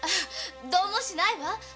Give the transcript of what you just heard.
どうもしないわ。